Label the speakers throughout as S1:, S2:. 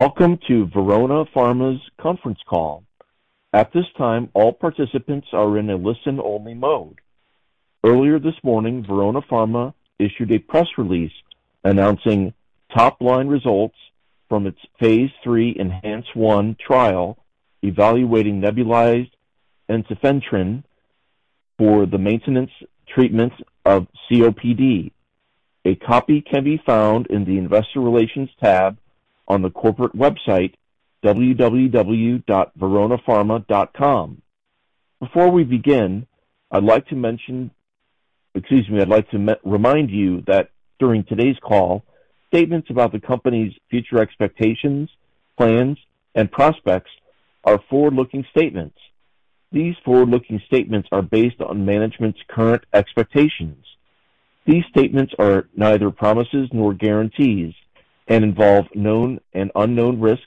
S1: Welcome to Verona Pharma's conference call. At this time, all participants are in a listen-only mode. Earlier this morning, Verona Pharma issued a press release announcing top-line results from its phase III ENHANCE-1 trial evaluating nebulized ensifentrine for the maintenance treatment of COPD. A copy can be found in the investor relations tab on the corporate website, www.veronapharma.com. Before we begin, I'd like to mention. Excuse me, I'd like to remind you that during today's call, statements about the company's future expectations, plans, and prospects are forward-looking statements. These forward-looking statements are based on management's current expectations. These statements are neither promises nor guarantees and involve known and unknown risks,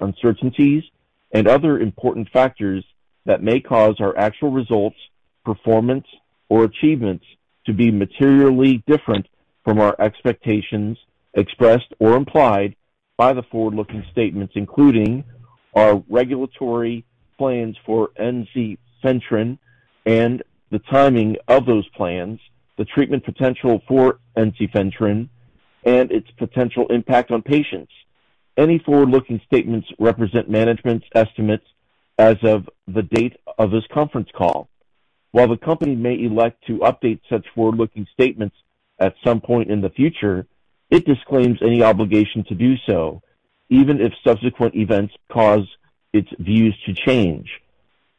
S1: uncertainties, and other important factors that may cause our actual results, performance, or achievements to be materially different from our expectations, expressed or implied by the forward-looking statements, including our regulatory plans for ensifentrine and the timing of those plans, the treatment potential for ensifentrine, and its potential impact on patients. Any forward-looking statements represent management's estimates as of the date of this conference call. While the company may elect to update such forward-looking statements at some point in the future, it disclaims any obligation to do so, even if subsequent events cause its views to change.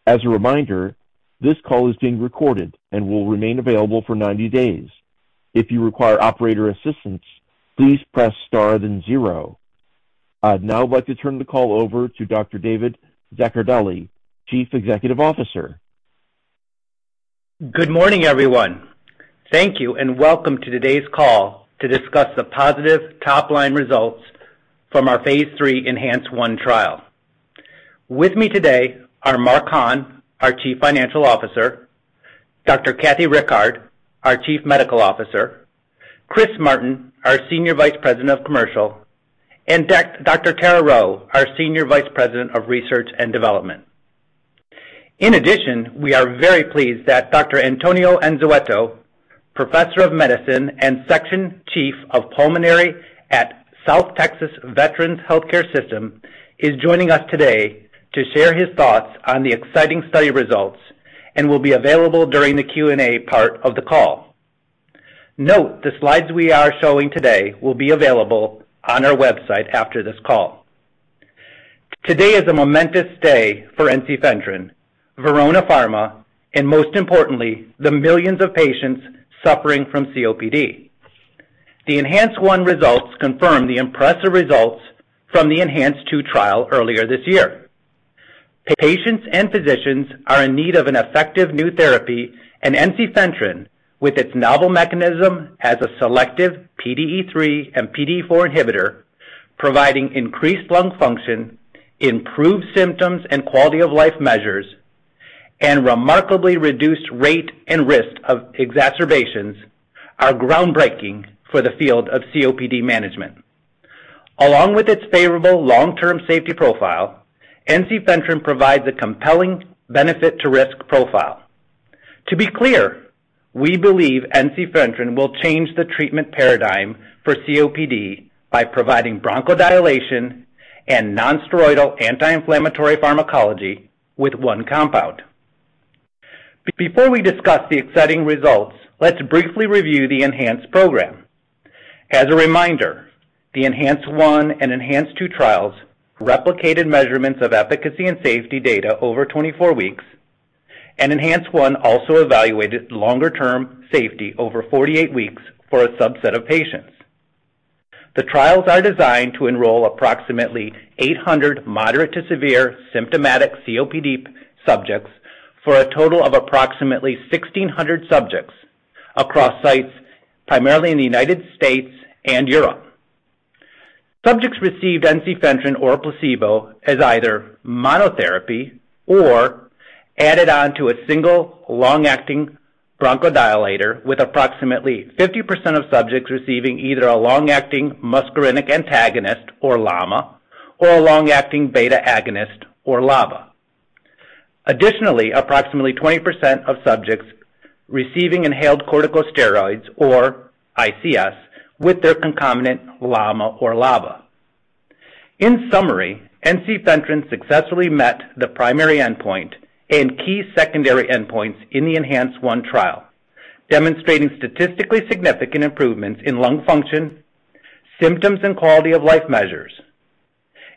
S1: As a reminder, this call is being recorded and will remain available for 90 days. If you require operator assistance, please press Star then zero. I'd now like to turn the call over to Dr. David Zaccardelli, Chief Executive Officer.
S2: Good morning, everyone. Thank you and welcome to today's call to discuss the positive top-line results from our phase III ENHANCE-1 trial. With me today are Mark Hahn, our Chief Financial Officer, Dr. Kathy Rickard, our Chief Medical Officer, Chris Martin, our Senior Vice President of Commercial, and Dr. Tara Rowe, our Senior Vice President of Research and Development. In addition, we are very pleased that Dr. Antonio Anzueto, professor of medicine and section chief of pulmonary at South Texas Veterans Healthcare System, is joining us today to share his thoughts on the exciting study results and will be available during the Q&A part of the call. Note, the slides we are showing today will be available on our website after this call. Today is a momentous day for ensifentrine, Verona Pharma, and most importantly, the millions of patients suffering from COPD. The ENHANCE-1 results confirm the impressive results from the ENHANCE-2 trial earlier this year. Patients and physicians are in need of an effective new therapy. ensifentrine, with its novel mechanism as a selective PDE3 and PDE4 inhibitor, providing increased lung function, improved symptoms and quality of life measures, and remarkably reduced rate and risk of exacerbations are groundbreaking for the field of COPD management. Along with its favorable long-term safety profile, ensifentrine provides a compelling benefit to risk profile. To be clear, we believe ensifentrine will change the treatment paradigm for COPD by providing bronchodilation and non-steroidal anti-inflammatory pharmacology with one compound. Before we discuss the exciting results, let's briefly review the ENHANCE program. As a reminder, the ENHANCE-1 and ENHANCE-2 trials replicated measurements of efficacy and safety data over 24 weeks, and ENHANCE-1 also evaluated longer-term safety over 48 weeks for a subset of patients. The trials are designed to enroll approximately 800 moderate to severe symptomatic COPD subjects for a total of approximately 1,600 subjects across sites primarily in the U.S. and Europe. Subjects received ensifentrine or placebo as either monotherapy or added on to a single long-acting bronchodilator, with approximately 50% of subjects receiving either a long-acting muscarinic antagonist or LAMA or a long-acting beta-agonist or LABA. Additionally, approximately 20% of subjects receiving inhaled corticosteroids or ICS with their concomitant LAMA or LABA. In summary, ensifentrine successfully met the primary endpoint and key secondary endpoints in the ENHANCE-1 trial, demonstrating statistically significant improvements in lung function, symptoms, and quality-of-life measures.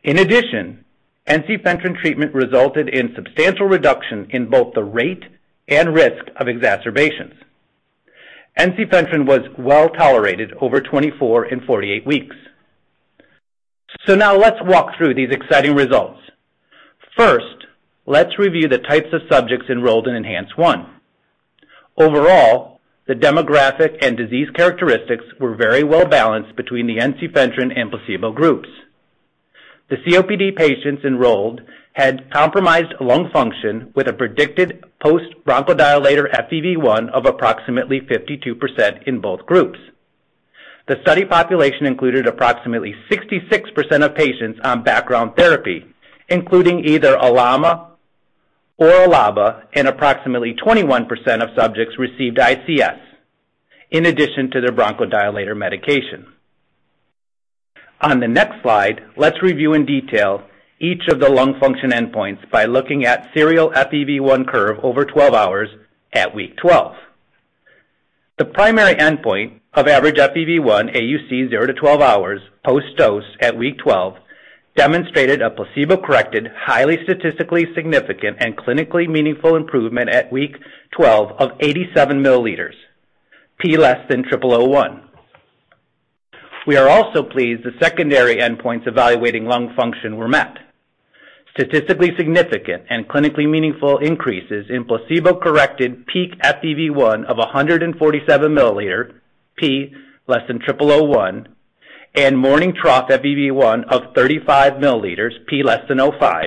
S2: In addition, ensifentrine treatment resulted in substantial reduction in both the rate and risk of exacerbations. Ensifentrine was well tolerated over 24 and 48 weeks. Now let's walk through these exciting results. First, let's review the types of subjects enrolled in ENHANCE-1. Overall, the demographic and disease characteristics were very well balanced between the ensifentrine and placebo groups. The COPD patients enrolled had compromised lung function with a predicted post-bronchodilator FEV1 of approximately 52% in both groups. The study population included approximately 66% of patients on background therapy, including either LAMA or LABA, and approximately 21% of subjects received ICS in addition to their bronchodilator medication. On the next slide, let's review in detail each of the lung function endpoints by looking at serial FEV1 curve over 12 hours at week 12. The primary endpoint of average FEV1 AUC 0-12 hours post-dose at week 12 demonstrated a placebo-corrected, highly statistically significant and clinically meaningful improvement at week 12 of 87 milliliters, P < 0.001. We are also pleased the secondary endpoints evaluating lung function were met. Statistically significant and clinically meaningful increases in placebo-corrected peak FEV1 of 147 milliliters, P < 0.001, and morning trough FEV1 of 35 milliliters, P < 0.05,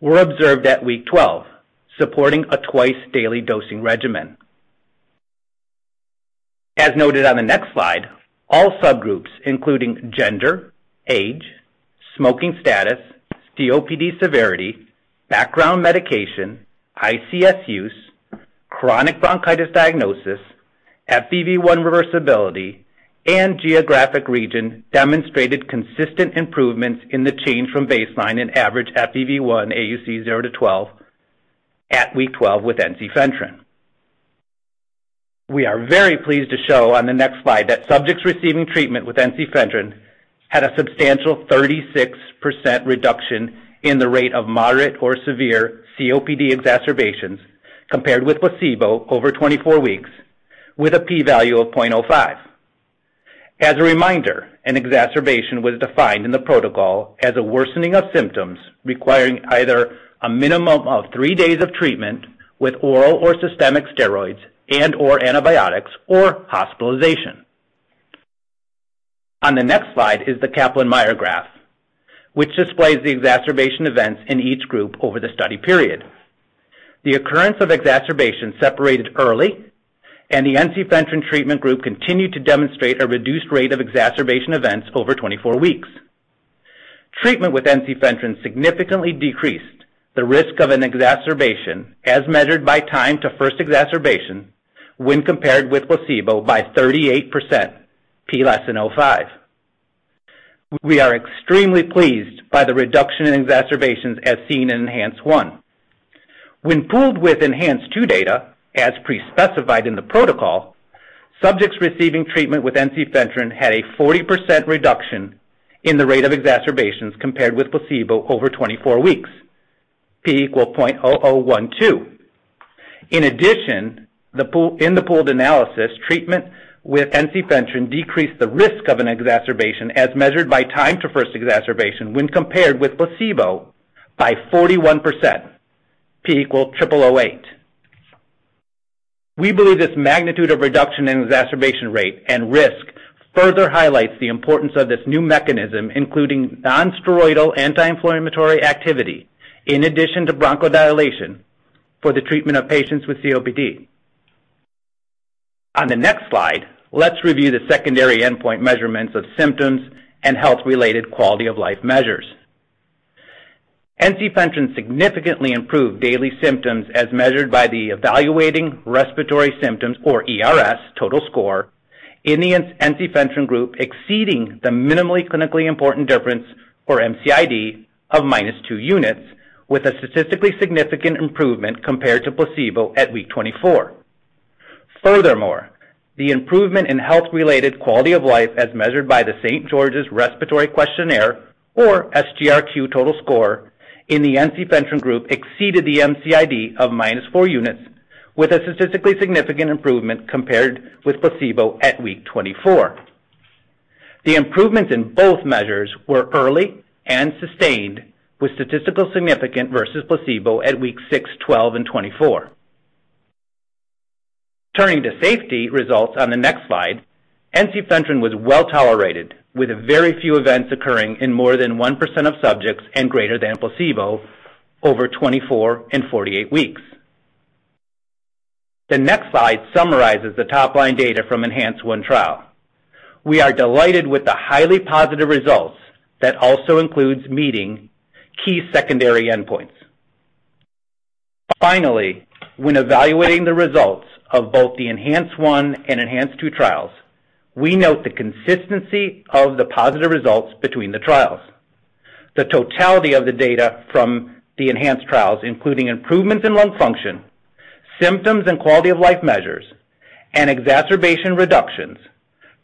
S2: were observed at week 12, supporting a twice-daily dosing regimen. As noted on the next slide, all subgroups, including gender, age, smoking status, COPD severity, background medication, ICS use, chronic bronchitis diagnosis, FEV1 reversibility, and geographic region demonstrated consistent improvements in the change from baseline in average FEV1 AUC 0-12 at week 12 with ensifentrine. We are very pleased to show on the next slide that subjects receiving treatment with ensifentrine had a substantial 36% reduction in the rate of moderate or severe COPD exacerbations compared with placebo over 24 weeks with a P value of 0.05. As a reminder, an exacerbation was defined in the protocol as a worsening of symptoms requiring either a minimum of 3 days of treatment with oral or systemic steroids and/or antibiotics or hospitalization. On the next slide is the Kaplan-Meier graph, which displays the exacerbation events in each group over the study period. The occurrence of exacerbations separated early, and the ensifentrine treatment group continued to demonstrate a reduced rate of exacerbation events over 24 weeks. Treatment with ensifentrine significantly decreased the risk of an exacerbation as measured by time to first exacerbation when compared with placebo by 38%, P < 0.05. We are extremely pleased by the reduction in exacerbations as seen in ENHANCE-1. When pooled with ENHANCE-2 data, as pre-specified in the protocol, subjects receiving treatment with ensifentrine had a 40% reduction in the rate of exacerbations compared with placebo over 24 weeks, P = 0.0012. In addition, in the pooled analysis, treatment with ensifentrine decreased the risk of an exacerbation as measured by time to first exacerbation when compared with placebo by 41%, P = 0.0008. We believe this magnitude of reduction in exacerbation rate and risk further highlights the importance of this new mechanism, including non-steroidal anti-inflammatory activity, in addition to bronchodilation for the treatment of patients with COPD. On the next slide, let's review the secondary endpoint measurements of symptoms and health-related quality of life measures. ensifentrine significantly improved daily symptoms as measured by the Evaluating Respiratory Symptoms, or E-RS, total score in the ensifentrine group, exceeding the minimally clinically important difference, or MCID, of -2 units, with a statistically significant improvement compared to placebo at week 24. The improvement in health-related quality of life as measured by the St. George's Respiratory Questionnaire, or SGRQ, total score in the ensifentrine group exceeded the MCID of minus 4 units with a statistically significant improvement compared with placebo at week 24. The improvements in both measures were early and sustained, with statistical significant versus placebo at weeks 6, 12, and 24. Turning to safety results on the next slide, ensifentrine was well-tolerated, with very few events occurring in more than 1% of subjects and greater than placebo over 24 and 48 weeks. The next slide summarizes the top-line data from ENHANCE-1 trial. We are delighted with the highly positive results that also includes meeting key secondary endpoints. Finally, when evaluating the results of both the ENHANCE-1 and ENHANCE-2 trials, we note the consistency of the positive results between the trials. The totality of the data from the ENHANCE trials, including improvements in lung function, symptoms and quality-of-life measures, and exacerbation reductions,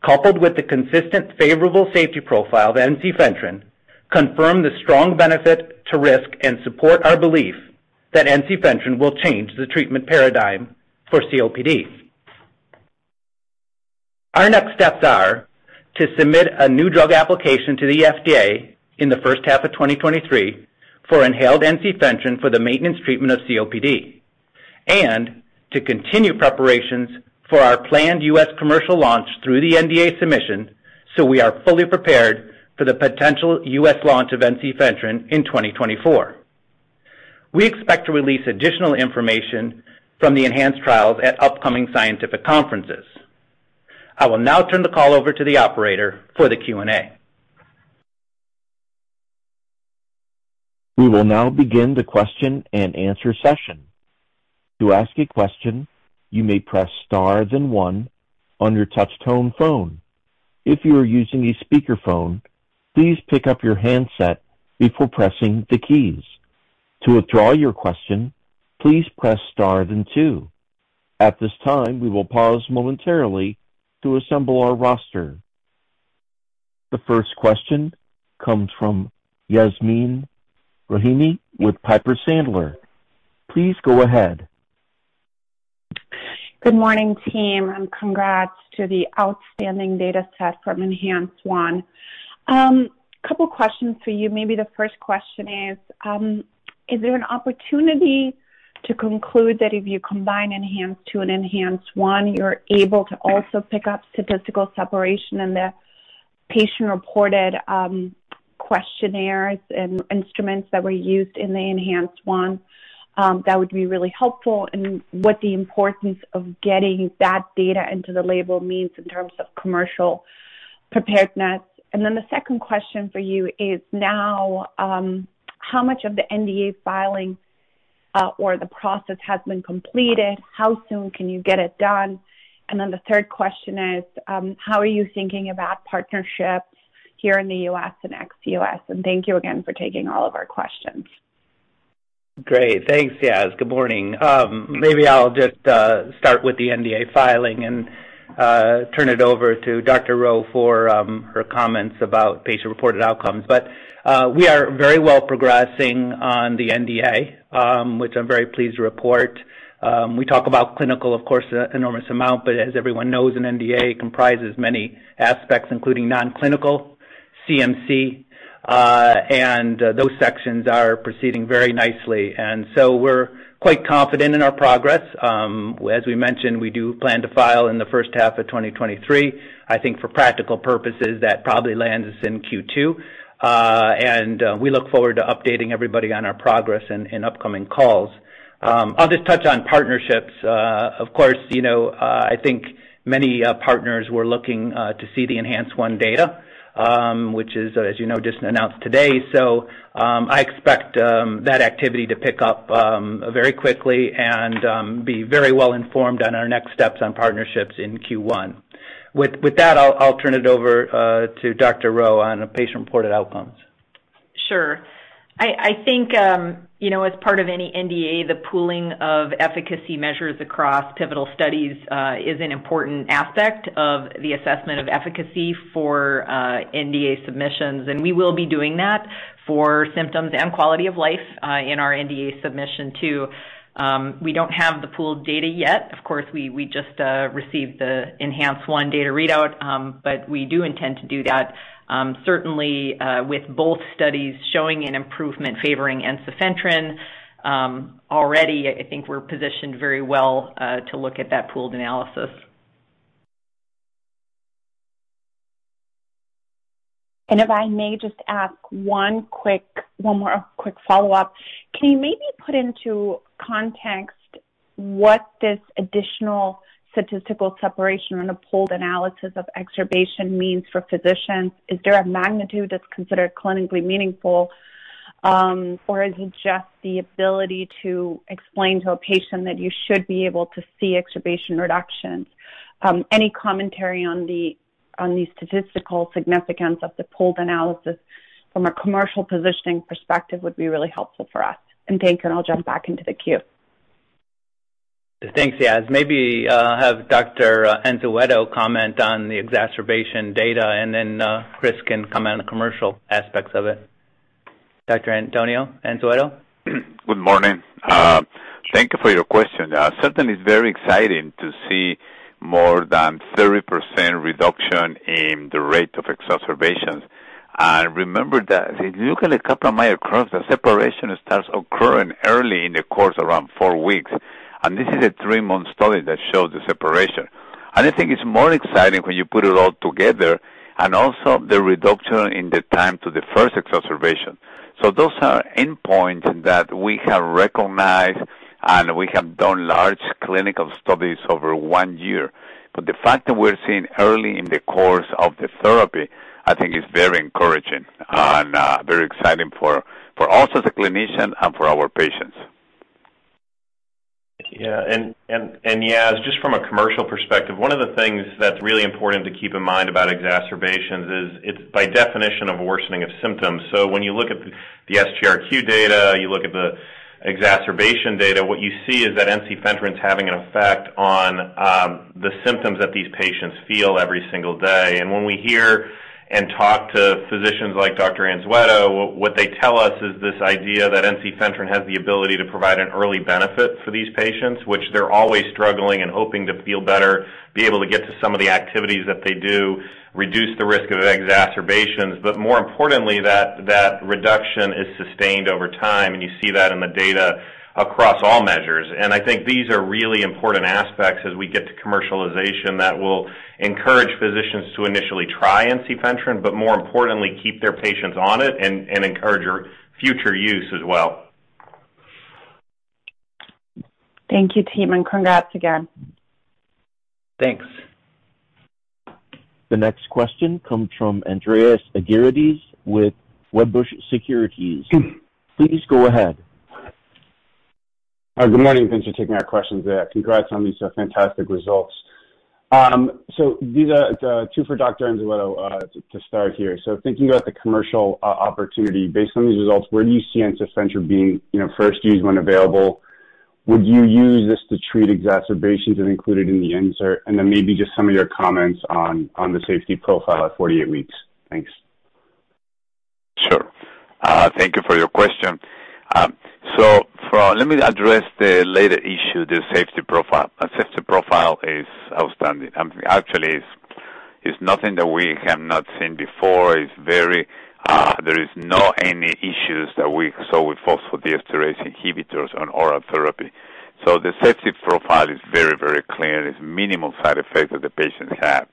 S2: coupled with the consistent favorable safety profile of ensifentrine, confirm the strong benefit to risk and support our belief that ensifentrine will change the treatment paradigm for COPD. Our next steps are to submit a new drug application to the FDA in the first half of 2023 for inhaled ensifentrine for the maintenance treatment of COPD, and to continue preparations for our planned U.S. commercial launch through the NDA submission, so we are fully prepared for the potential U.S. launch of ensifentrine in 2024. We expect to release additional information from the ENHANCE trials at upcoming scientific conferences. I will now turn the call over to the operator for the Q&A.
S1: We will now begin the question-and-answer session. To ask a question, you may press star then one on your touch tone phone. If you are using a speakerphone, please pick up your handset before pressing the keys. To withdraw your question, please press star then two. At this time, we will pause momentarily to assemble our roster. The first question comes from Yasmeen Rahimi with Piper Sandler. Please go ahead.
S3: Good morning, team, congrats to the outstanding data set from ENHANCE 1. Couple questions for you. Maybe the first question is there an opportunity to conclude that if you combine ENHANCE 2 and ENHANCE 1, you're able to also pick up statistical separation in the patient-reported questionnaires and instruments that were used in the ENHANCE 1? That would be really helpful in what the importance of getting that data into the label means in terms of commercial preparedness. The second question for you is now, how much of the NDA filing or the process has been completed? How soon can you get it done? The third question is, how are you thinking about partnerships here in the US and ex-US? Thank you again for taking all of our questions.
S2: Great. Thanks, Yas. Good morning. Maybe I'll just start with the NDA filing and turn it over to Dr. Rowe for her comments about patient-reported outcomes. We are very well progressing on the NDA, which I'm very pleased to report. We talk about clinical, of course, enormous amount, but as everyone knows, an NDA comprises many aspects, including non-clinical, CMC, and those sections are proceeding very nicely. We're quite confident in our progress. As we mentioned, we do plan to file in the first half of 2023. I think for practical purposes, that probably lands us in Q2. We look forward to updating everybody on our progress in upcoming calls. I'll just touch on partnerships. Of course, you know, I think many partners were looking to see the ENHANCE 1 data, which is, as you know, just announced today. I expect that activity to pick up very quickly and be very well informed on our next steps on partnerships in Q1. With that, I'll turn it over to Dr. Rowe on patient-reported outcomes.
S4: Sure. I think, you know, as part of any NDA, the pooling of efficacy measures across pivotal studies is an important aspect of the assessment of efficacy for NDA submissions, and we will be doing that for symptoms and quality of life in our NDA submission too. We don't have the pooled data yet. Of course, we just received the ENHANCE 1 data readout, but we do intend to do that. Certainly, with both studies showing an improvement favoring ensifentrine, already I think we're positioned very well to look at that pooled analysis.
S3: If I may just ask one more quick follow-up. Can you maybe put into context what this additional statistical separation and a pooled analysis of exacerbation means for physicians? Is there a magnitude that's considered clinically meaningful, or is it just the ability to explain to a patient that you should be able to see exacerbation reductions? Any commentary on the statistical significance of the pooled analysis from a commercial positioning perspective would be really helpful for us. Thanks, I'll jump back into the queue.
S2: Thanks, Yas. Maybe have Dr. Anzueto comment on the exacerbation data, and then Chris can comment on commercial aspects of it. Dr. Antonio Anzueto?
S5: Good morning. Thank you for your question. Certainly it's very exciting to see more than 30% reduction in the rate of exacerbations. Remember that if you look at a couple of miles across, the separation starts occurring early in the course around 4 weeks. This is a 3-month study that shows the separation. I think it's more exciting when you put it all together and also the reduction in the time to the first exacerbation. Those are endpoints that we have recognized, and we have done large clinical studies over 1 year. The fact that we're seeing early in the course of the therapy, I think is very encouraging and very exciting for us as a clinician and for our patients.
S6: Yeah. Yas, just from a commercial perspective, one of the things that's really important to keep in mind about exacerbations is it's by definition a worsening of symptoms. When you look at the SGRQ data, you look at the exacerbation data, what you see is that ensifentrine is having an effect on the symptoms that these patients feel every single day. When we hear and talk to physicians like Dr. Anzueto, what they tell us is this idea that ensifentrine has the ability to provide an early benefit for these patients, which they're always struggling and hoping to feel better, be able to get to some of the activities that they do, reduce the risk of exacerbations, more importantly, that reduction is sustained over time, and you see that in the data across all measures. I think these are really important aspects as we get to commercialization that will encourage physicians to initially try ensifentrine, but more importantly, keep their patients on it and encourage future use as well.
S3: Thank you team, and congrats again.
S2: Thanks.
S1: The next question comes from Andreas Argyrides with Wedbush Securities. Please go ahead.
S7: Good morning. Thanks for taking our questions. Congrats on these fantastic results. These are two for Dr. Anzueto to start here. Thinking about the commercial opportunity, based on these results, where do you see ensifentrine being, you know, first used when available? Would you use this to treat exacerbations and include it in the insert? Then maybe just some of your comments on the safety profile at 48 weeks. Thanks.
S5: Sure. Thank you for your question. Let me address the later issue, the safety profile. Our safety profile is outstanding. Actually it's nothing that we have not seen before. It's very, there is no any issues that we saw with phosphodiesterase inhibitors on oral therapy. The safety profile is very, very clear. There's minimal side effects that the patients have.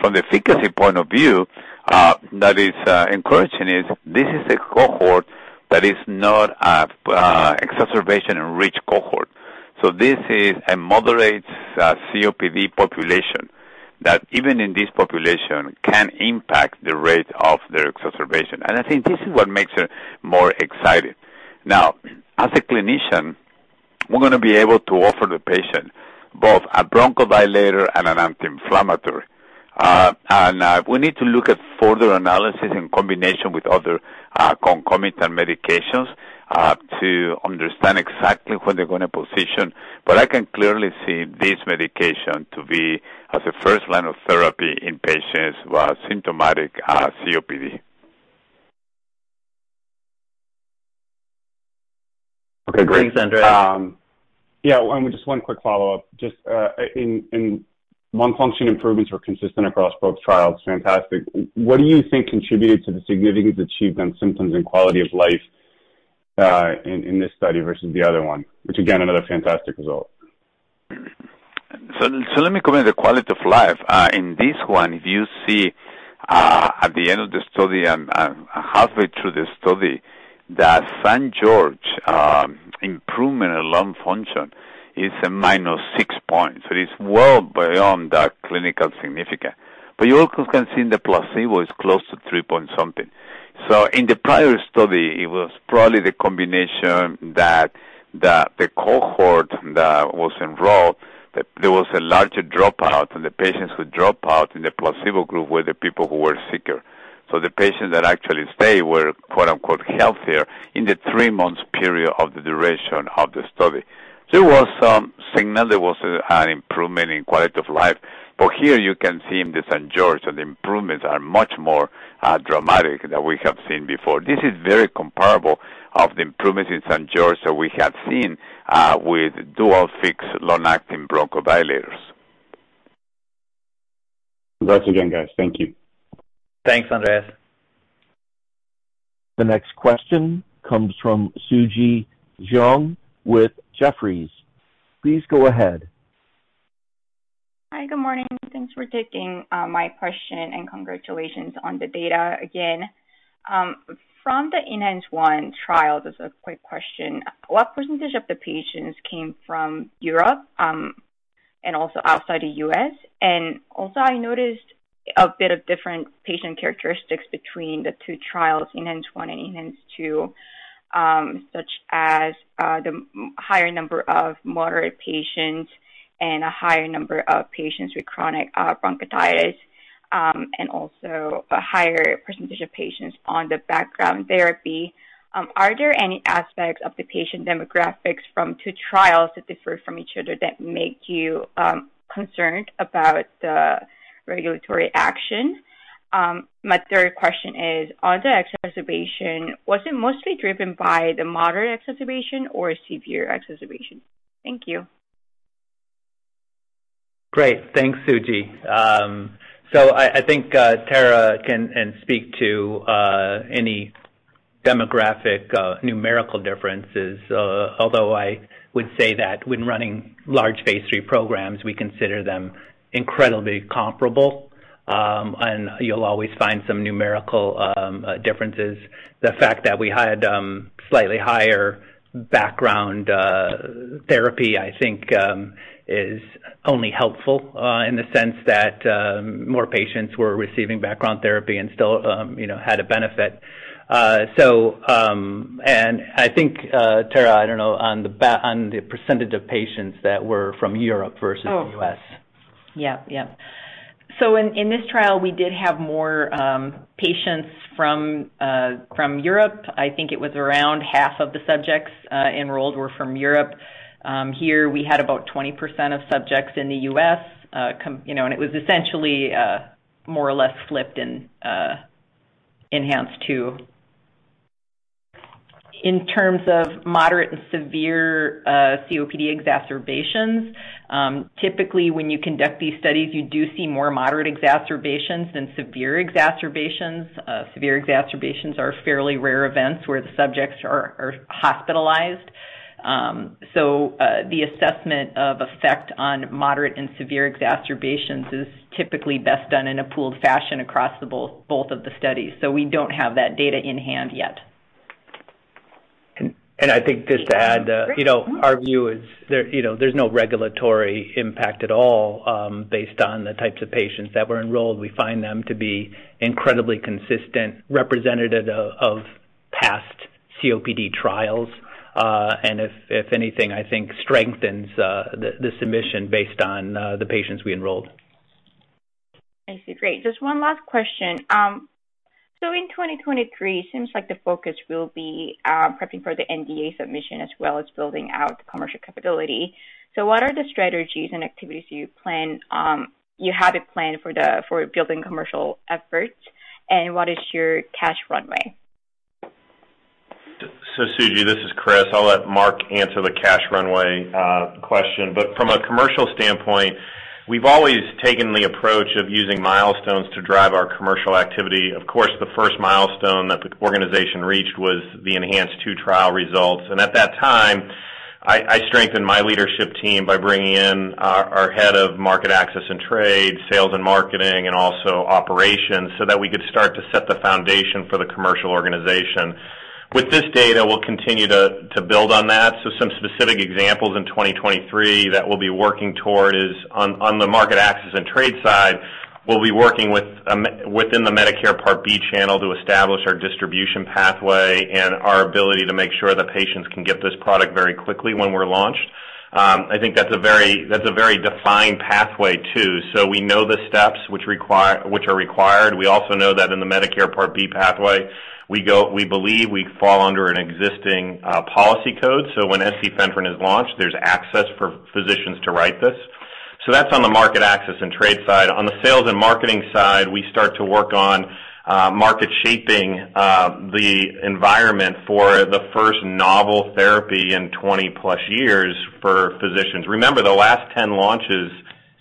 S5: From the efficacy point of view, that is encouraging is this is a cohort that is not a exacerbation-rich cohort. This is a moderate COPD population that even in this population can impact the rate of their exacerbation. I think this is what makes it more exciting. Now, as a clinician, we're gonna be able to offer the patient both a bronchodilator and an anti-inflammatory. We need to look at further analysis in combination with other, concomitant medications, to understand exactly where they're gonna position. I can clearly see this medication to be as a first line of therapy in patients who are symptomatic, COPD.
S7: Okay, great.
S2: Thanks, Andreas.
S7: Yeah, just one quick follow-up. Just, in lung function improvements were consistent across both trials. Fantastic. What do you think contributed to the significance achieved on symptoms and quality of life, in this study versus the other one? Again, another fantastic result.
S5: Let me comment on the quality of life. In this one, if you see, at the end of the study and halfway through the study that St. George, improvement in lung function is a -6 point. It's well beyond that clinical significance. You also can see in the placebo it's close to 3 point something. In the prior study, it was probably the combination that the cohort that was enrolled, that there was a larger dropout and the patients who dropped out in the placebo group were the people who were sicker. The patients that actually stay were, quote-unquote, "healthier" in the 3 months period of the duration of the study. There was some signal there was an improvement in quality of life. Here you can see in the St. George that the improvements are much more dramatic than we have seen before. This is very comparable of the improvements in St. George's Respiratory Questionnaire that we have seen with dual fixed long-acting bronchodilators.
S7: Congrats again, guys. Thank you.
S2: Thanks, Andreas.
S1: The next question comes from Suji Jeong with Jefferies. Please go ahead.
S8: Hi. Good morning. Thanks for taking my question. Congratulations on the data again. From the ENHANCE-1 trial, just a quick question. What percentage of the patients came from Europe and also outside the U.S.? I noticed a bit of different patient characteristics between the two trials, ENHANCE-2, such as the higher number of moderate patients and a higher number of patients with chronic bronchitis, a higher percentage of patients on the background therapy. Are there any aspects of the patient demographics from two trials that differ from each other that make you concerned about the regulatory action? My third question is, on the exacerbation, was it mostly driven by the moderate exacerbation or severe exacerbation? Thank you.
S2: Great. Thanks, Suji. I think, Tara can speak to any demographic numerical differences. I would say that when running large phase III programs, we consider them incredibly comparable. You'll always find some numerical differences. The fact that we had slightly higher background therapy, I think, is only helpful in the sense that more patients were receiving background therapy and still, you know, had a benefit. I think, Tara, I don't know, on the percentage of patients that were from Europe versus...
S8: Oh.
S2: -US.
S8: Yeah. Yeah. In this trial, we did have more patients from Europe. I think it was around half of the subjects enrolled were from Europe. Here we had about 20% of subjects in the U.S., come, you know, and it was essentially more or less flipped in ENHANCE-2. In terms of moderate and severe COPD exacerbations, typically when you conduct these studies, you do see more moderate exacerbations than severe exacerbations. Severe exacerbations are fairly rare events where the subjects are hospitalized. The assessment of effect on moderate and severe exacerbations is typically best done in a pooled fashion across both of the studies. We don't have that data in hand yet.
S9: I think just to add, you know, our view is there, you know, there's no regulatory impact at all, based on the types of patients that were enrolled. We find them to be incredibly consistent, representative of past COPD trials. If anything, I think strengthens the submission based on the patients we enrolled.
S8: I see. Great. Just one last question. In 2023, seems like the focus will be prepping for the NDA submission as well as building out commercial capability. What are the strategies and activities you plan, you have it planned for the, for building commercial efforts, and what is your cash runway?
S6: Suji, this is Chris. I'll let Mark answer the cash runway question. From a commercial standpoint, we've always taken the approach of using milestones to drive our commercial activity. Of course, the first milestone that the organization reached was the ENHANCE-2 trial results. At that time, I strengthened my leadership team by bringing in our head of market access and trade, sales and marketing, and also operations, so that we could start to set the foundation for the commercial organization. With this data, we'll continue to build on that. Some specific examples in 2023 that we'll be working toward is on the market access and trade side, we'll be working within the Medicare Part B channel to establish our distribution pathway and our ability to make sure that patients can get this product very quickly when we're launched. I think that's a very defined pathway too. We know the steps which are required. We also know that in the Medicare Part B pathway, we believe we fall under an existing policy code. When ensifentrine is launched, there's access for physicians to write this. That's on the market access and trade side. On the sales and marketing side, we start to work on market shaping the environment for the first novel therapy in 20-plus years for physicians. Remember, the last 10 launches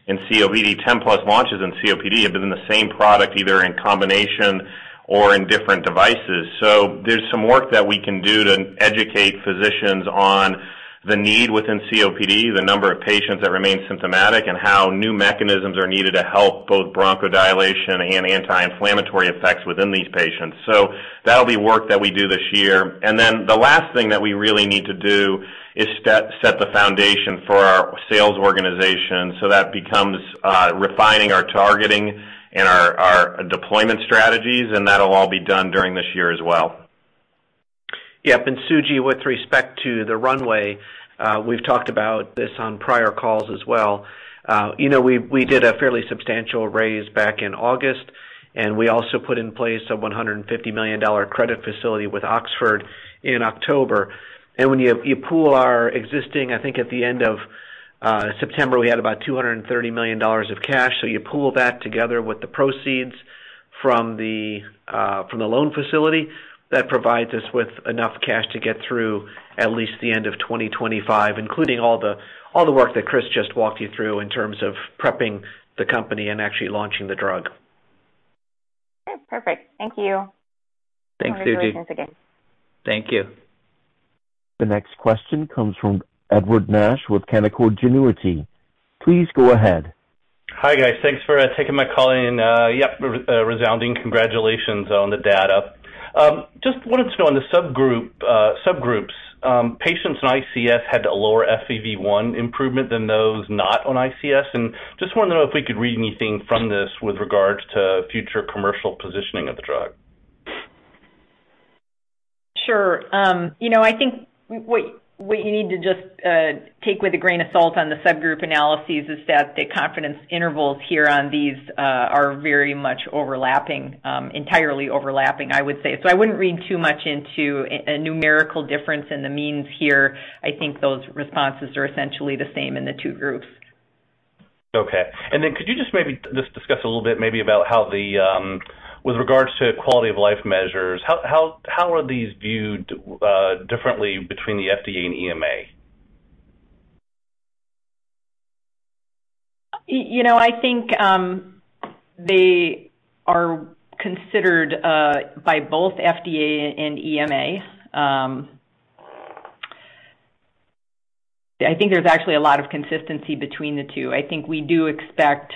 S6: in COPD, 10-plus launches in COPD, have been the same product, either in combination or in different devices. There's some work that we can do to educate physicians on the need within COPD, the number of patients that remain symptomatic, and how new mechanisms are needed to help both bronchodilation and anti-inflammatory effects within these patients. That'll be work that we do this year. The last thing that we really need to do is set the foundation for our sales organization. That becomes refining our targeting and our deployment strategies, and that'll all be done during this year as well.
S9: Yeah. Suji, with respect to the runway, you know, we did a fairly substantial raise back in August, and we also put in place a $150 million credit facility with Oxford in October. When you pool our existing... I think at the end of September, we had about $230 million of cash. You pool that together with the proceeds from the loan facility, that provides us with enough cash to get through at least the end of 2025, including all the work that Chris just walked you through in terms of prepping the company and actually launching the drug.
S8: Okay, perfect. Thank you.
S9: Thanks, Suji.
S8: Congratulations again.
S9: Thank you.
S1: The next question comes from Edward Nash with Canaccord Genuity. Please go ahead.
S10: Hi, guys. Thanks for taking my call. Yeah, resounding congratulations on the data. Just wanted to know, in the subgroups, patients on ICS had a lower FEV1 improvement than those not on ICS. Just wanted to know if we could read anything from this with regards to future commercial positioning of the drug.
S4: Sure. You know, I think what you need to just take with a grain of salt on the subgroup analyses is that the confidence intervals here on these are very much overlapping, entirely overlapping, I would say. I wouldn't read too much into a numerical difference in the means here. I think those responses are essentially the same in the 2 groups.
S10: Okay. Could you just maybe just discuss a little bit maybe about how the, with regards to quality of life measures, how are these viewed, differently between the FDA and EMA?
S4: You know, I think, they are considered by both FDA and EMA. I think there's actually a lot of consistency between the two. I think we do expect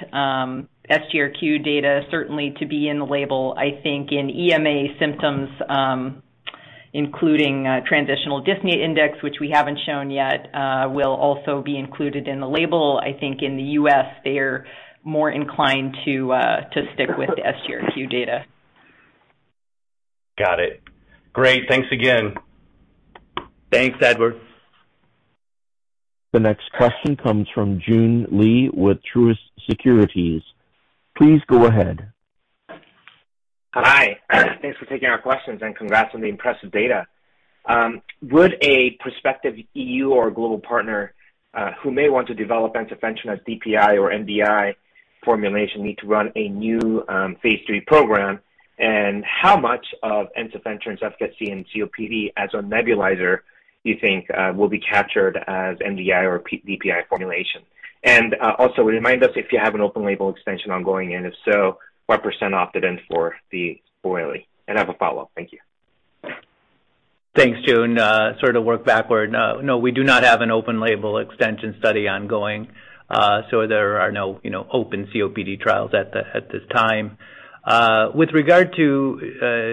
S4: SGRQ data certainly to be in the label. I think in EMA symptoms, including Transition Dyspnea Index, which we haven't shown yet, will also be included in the label. I think in the US, they are more inclined to stick with the SGRQ data.
S10: Got it. Great. Thanks again.
S9: Thanks, Edward.
S1: The next question comes from Joon Lee with Truist Securities. Please go ahead.
S11: Hi. Thanks for taking our questions, and congrats on the impressive data. Would a prospective EU or global partner who may want to develop ensifentrine as DPI or MDI formulation need to run a new phase III program? How much of ensifentrine's efficacy in COPD as a nebulizer do you think will be captured as MDI or P-DPI formulation? Also remind us if you have an Open-Label Extension ongoing, and if so, what % opted in for the OLE? I have a follow-up. Thank you.
S9: Thanks, Joon. To work backward, no, we do not have an Open-Label Extension study ongoing, there are no, you know, open COPD trials at this time. With regard to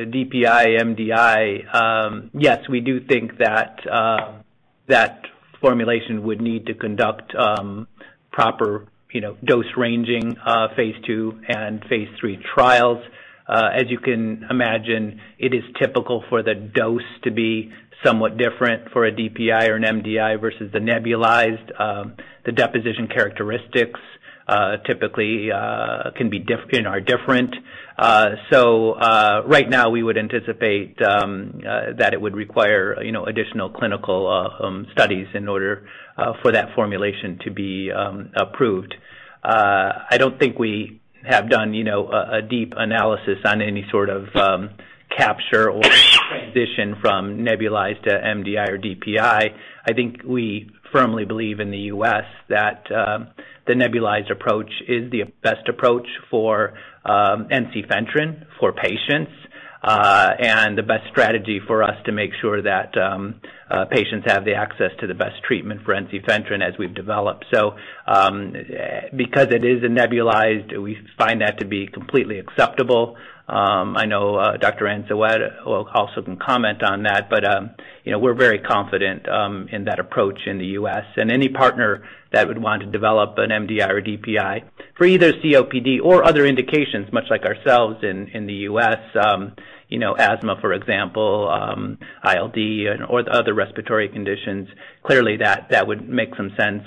S9: DPI, MDI, yes, we do think.
S2: That formulation would need to conduct, proper, you know, dose phase II and phase III trials. As you can imagine, it is typical for the dose to be somewhat different for a DPI or an MDI versus the nebulized. The deposition characteristics, typically, you know, are different. Right now we would anticipate that it would require, you know, additional clinical studies in order for that formulation to be approved. I don't think we have done, you know, a deep analysis on any sort of capture or transition from nebulized to MDI or DPI. I think we firmly believe in the US that the nebulized approach is the best approach for ensifentrine for patients and the best strategy for us to make sure that patients have the access to the best treatment for ensifentrine as we've developed. Because it is a nebulized, we find that to be completely acceptable. I know Dr. Anzueto also can comment on that, but you know, we're very confident in that approach in the US. Any partner that would want to develop an MDI or DPI for either COPD or other indications, much like ourselves in the US, you know, asthma, for example, ILD and/or other respiratory conditions, clearly that would make some sense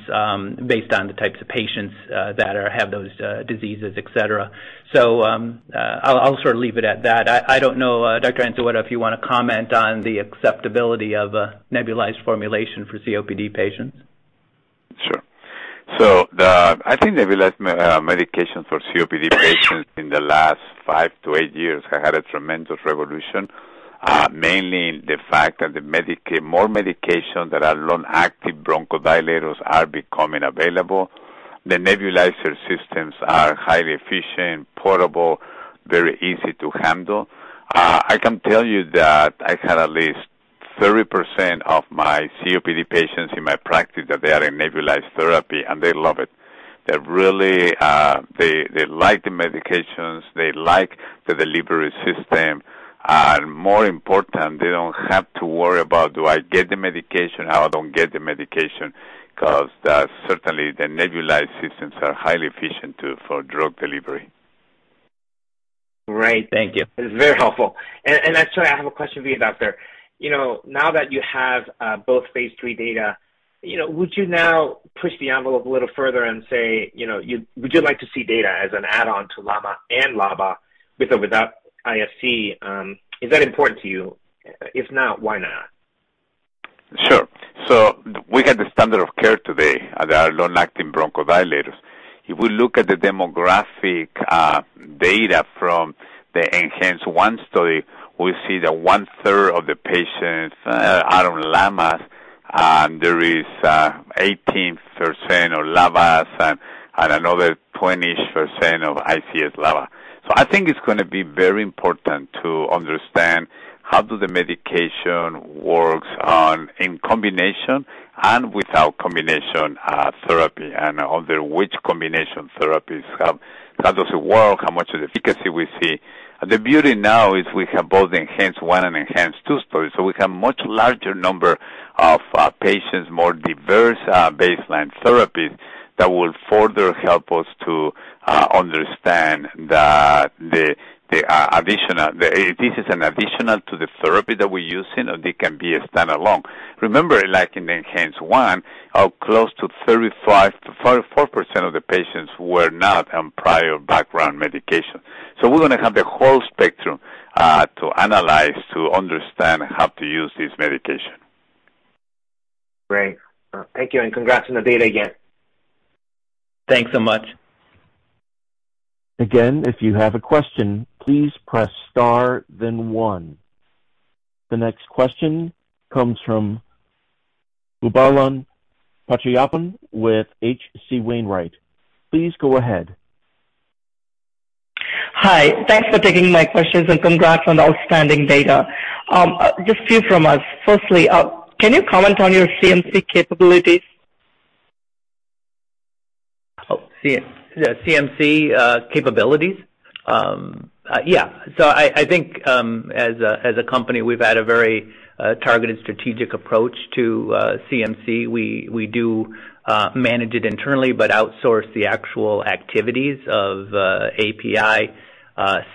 S2: based on the types of patients have those diseases, et cetera. I'll sort of leave it at that. I don't know, Dr. Anzueto, if you wanna comment on the acceptability of a nebulized formulation for COPD patients?
S5: Sure. The, I think nebulized medication for COPD patients in the last five to eight years have had a tremendous revolution, mainly in the fact that more medications that are long-acting bronchodilators are becoming available. The nebulizer systems are highly efficient, portable, very easy to handle. I can tell you that I had at least 30% of my COPD patients in my practice that they are in nebulized therapy, and they love it. They really, they like the medications, they like the delivery system, and more important, they don't have to worry about do I get the medication? How I don't get the medication? 'Cause the certainly the nebulized systems are highly efficient for drug delivery.
S11: Great. Thank you. That is very helpful. Actually, I have a question for you, Doctor. You know, now that you have both phase III data, you know, would you now push the envelope a little further and say, you know, would you like to see data as an add-on to LAMA and LABA with or without ICS? Is that important to you? If not, why not?
S5: Sure. We have the standard of care today that are long-acting bronchodilators. If we look at the demographic data from the ENHANCE-1 study, we see that 1/3 of the patients are on LAMAs, and there is 18% on LABAs and another 20% of ICS LABA. I think it's gonna be very important to understand how do the medication works on in combination and without combination therapy and under which combination therapies have. How does it work? How much of the efficacy we see? The beauty now is we have both ENHANCE-1 and ENHANCE-2 studies, so we have much larger number of patients, more diverse baseline therapies that will further help us to understand this is an additional to the therapy that we're using, or they can be a standalone. Remember, like in ENHANCE-1, how close to 35% to44% of the patients were not on prior background medication. We're gonna have the whole spectrum to analyze, to understand how to use this medication.
S11: Great. Thank you, and congrats on the data again. Thanks so much.
S1: If you have a question, please press Star, then one. The next question comes from Raghuram Selvaraju with H.C. Wainwright. Please go ahead.
S12: Hi. Thanks for taking my questions. Congrats on the outstanding data. Just a few from us. Firstly, can you comment on your CMC capabilities?
S2: Yeah, CMC capabilities? Yeah. I think, as a company, we've had a very targeted strategic approach to CMC. We do manage it internally, but outsource the actual activities of API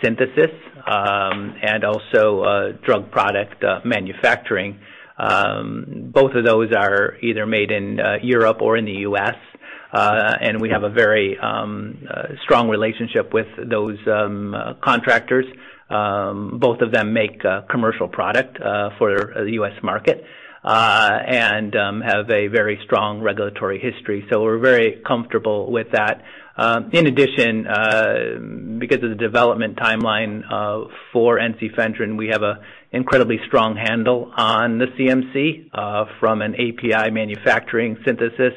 S2: synthesis, and also drug product manufacturing. Both of those are either made in Europe or in the U.S., and we have a very strong relationship with those contractors. Both of them make a commercial product for the U.S. market, and have a very strong regulatory history. We're very comfortable with that. In addition, because of the development timeline, for ensifentrine, we have a incredibly strong handle on the CMC, from an API manufacturing synthesis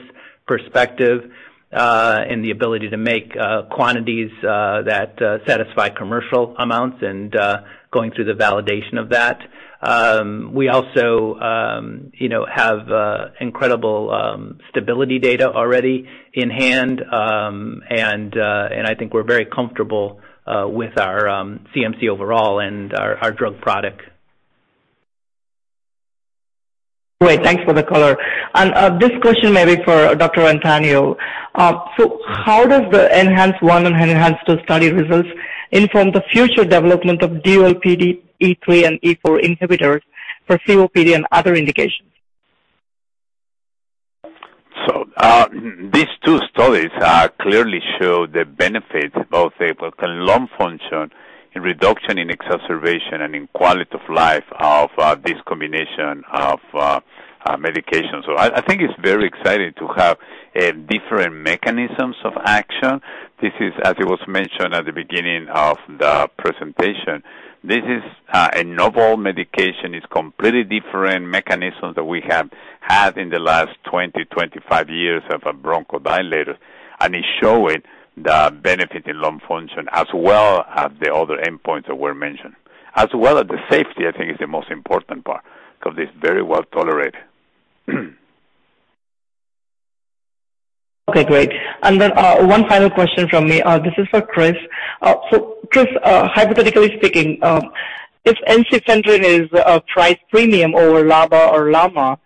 S2: perspective, and the ability to make, quantities, that, satisfy commercial amounts and, going through the validation of that. We also, you know, have incredible stability data already in hand. I think we're very comfortable, with our, CMC overall and our drug product.
S12: Great. Thanks for the color. This question may be for Dr. Anzueto. How does the ENHANCE-1 and ENHANCE-2 study results inform the future development of dual PDE3 and PDE4 inhibitors for COPD and other indications?
S5: These two studies are clearly show the benefits, both a lung function and reduction in exacerbation and in quality of life of this combination of medications. I think it's very exciting to have different mechanisms of action. This is, as it was mentioned at the beginning of the presentation, this is a novel medication. It's completely different mechanisms that we have had in the last 20, 25 years of a bronchodilator, and it's showing the benefit in lung function as well as the other endpoints that were mentioned. As well as the safety, I think, is the most important part because it's very well tolerated.
S12: Okay, great. One final question from me. This is for Chris. Chris, hypothetically speaking, if ensifentrine is a price premium over LABA or LAMA,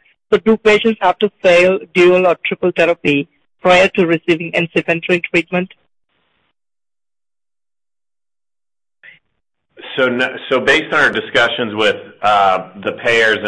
S12: do patients have to fail dual or triple therapy prior to receiving ensifentrine treatment?
S6: Based on our discussions with the payers,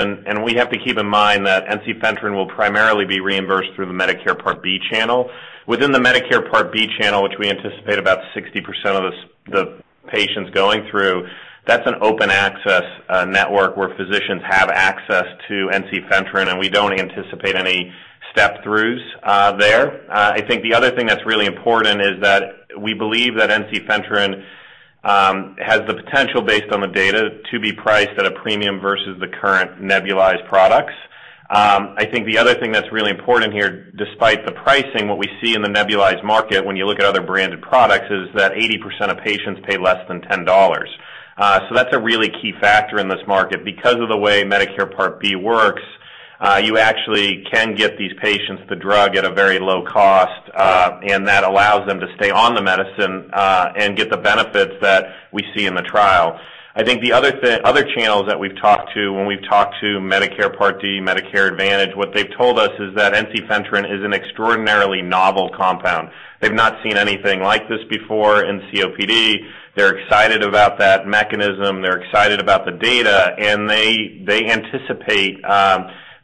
S6: we have to keep in mind that ensifentrine will primarily be reimbursed through the Medicare Part B channel. Within the Medicare Part B channel, which we anticipate about 60% of the patients going through, that's an open access network where physicians have access to ensifentrine, and we don't anticipate any step-throughs there. I think the other thing that's really important is that we believe that ensifentrine has the potential based on the data to be priced at a premium versus the current nebulized products. I think the other thing that's really important here, despite the pricing, what we see in the nebulized market when you look at other branded products is that 80% of patients pay less than $10. That's a really key factor in this market. Because of the way Medicare Part B works, you actually can get these patients the drug at a very low cost, and that allows them to stay on the medicine, and get the benefits that we see in the trial. I think the other channels that we've talked to when we've talked to Medicare Part D, Medicare Advantage, what they've told us is that ensifentrine is an extraordinarily novel compound. They've not seen anything like this before in COPD. They're excited about that mechanism, they're excited about the data, and they anticipate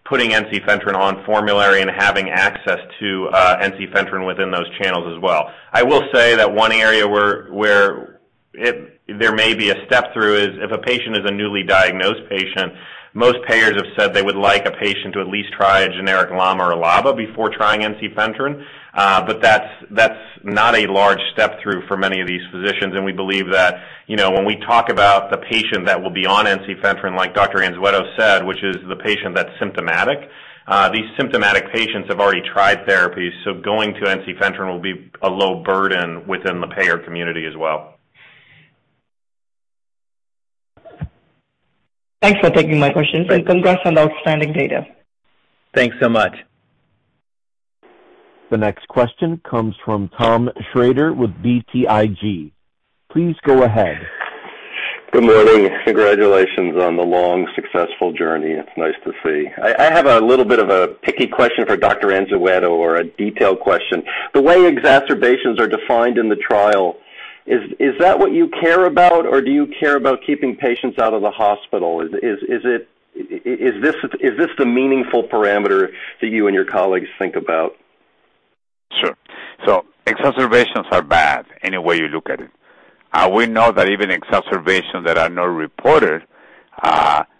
S6: putting ensifentrine on formulary and having access to ensifentrine within those channels as well. I will say that one area where it, there may be a step-through is if a patient is a newly diagnosed patient, most payers have said they would like a patient to at least try a generic LAMA or LABA before trying ensifentrine. But that's not a large step-through for many of these physicians. We believe that, you know, when we talk about the patient that will be on ensifentrine, like Dr. Anzueto said, which is the patient that's symptomatic, these symptomatic patients have already tried therapies, so going to ensifentrine will be a low burden within the payer community as well.
S12: Thanks for taking my questions.
S6: Thanks.
S12: Congrats on the outstanding data.
S6: Thanks so much.
S1: The next question comes from Tom Shrader with BTIG. Please go ahead.
S13: Good morning. Congratulations on the long, successful journey. It's nice to see. I have a little bit of a picky question for Dr. Anzueto or a detailed question. The way exacerbations are defined in the trial, is that what you care about, or do you care about keeping patients out of the hospital? Is this, is this the meaningful parameter that you and your colleagues think about?
S5: Sure. exacerbations are bad any way you look at it. We know that even exacerbations that are not reported,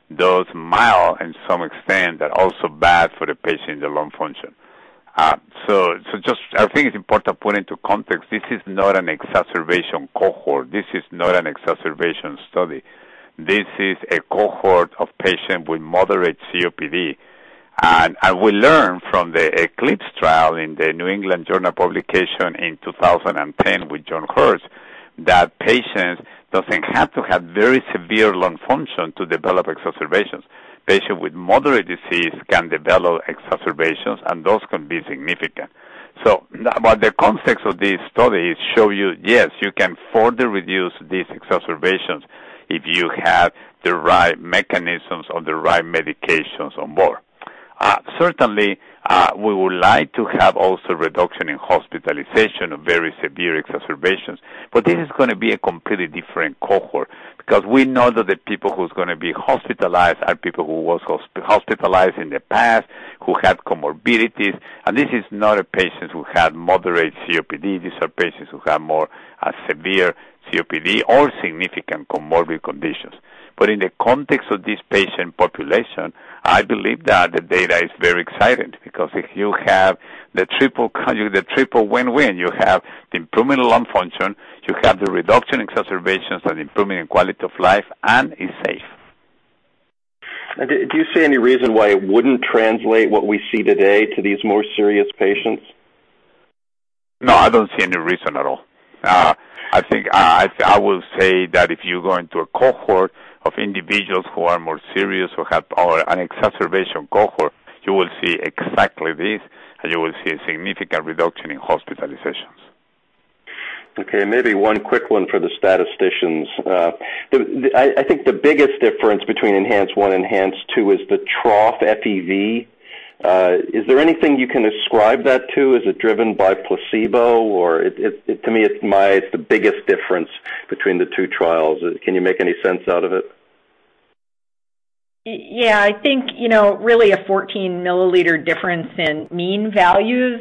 S5: those mild in some extent are also bad for the patient, the lung function. Just I think it's important to put into context, this is not an exacerbation cohort. This is not an exacerbation study. This is a cohort of patients with moderate COPD. As we learn from the ECLIPSE trial in the New England Journal publication in 2010 with John Hurst, that patients doesn't have to have very severe lung function to develop exacerbations. Patients with moderate disease can develop exacerbations, and those can be significant. But the context of this study show you, yes, you can further reduce these exacerbations if you have the right mechanisms or the right medications on board. Certainly, we would like to have also reduction in hospitalization of very severe exacerbations. This is gonna be a completely different cohort because we know that the people who's gonna be hospitalized are people who was hospitalized in the past, who have comorbidities. This is not a patient who have moderate COPD. These are patients who have more severe COPD or significant comorbid conditions. In the context of this patient population, I believe that the data is very exciting because if you have the triple count, the triple win-win, you have the improvement in lung function, you have the reduction in exacerbations and improvement in quality of life, and it's safe.
S13: Do you see any reason why it wouldn't translate what we see today to these more serious patients?
S5: No, I don't see any reason at all. I think, I will say that if you go into a cohort of individuals who are more serious or an exacerbation cohort, you will see exactly this, and you will see a significant reduction in hospitalizations.
S13: Okay, maybe one quick one for the statisticians. I think the biggest difference between ENHANCE-1, ENHANCE-2 is the trough FEV. Is there anything you can ascribe that to? Is it driven by placebo or? To me, it's the biggest difference between the two trials. Can you make any sense out of it?
S4: Yeah. I think, you know, really a 14-milliliter difference in mean values,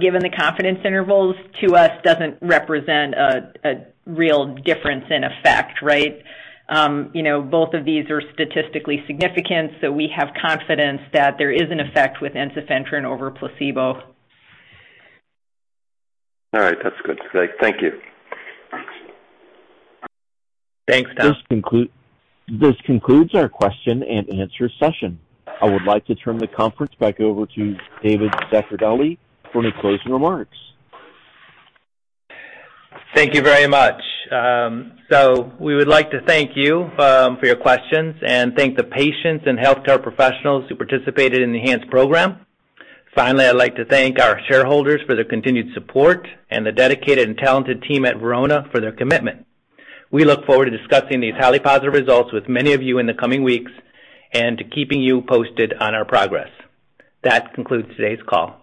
S4: given the confidence intervals to us doesn't represent a real difference in effect, right? You know, both of these are statistically significant. We have confidence that there is an effect with ensifentrine over placebo.
S13: All right. That's good. Thank you.
S6: Thanks, Tom.
S1: This concludes our question and answer session. I would like to turn the conference back over to David Zaccardelli for any closing remarks.
S2: Thank you very much. We would like to thank you for your questions and thank the patients and healthcare professionals who participated in the ENHANCE program. Finally, I'd like to thank our shareholders for their continued support and the dedicated and talented team at Verona for their commitment. We look forward to discussing these highly positive results with many of you in the coming weeks and to keeping you posted on our progress. That concludes today's call.